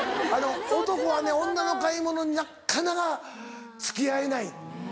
男はね女の買い物になっかなか付き合えない。